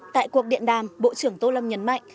tại cuộc điện đàm bộ trưởng tô lâm nhấn mạnh